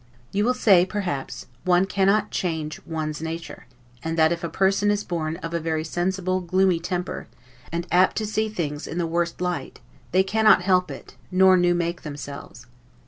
You will say, perhaps, one cannot change one's nature; and that if a person is born of a very sensible, gloomy temper, and apt to see things in the worst light, they cannot help it, nor new make themselves.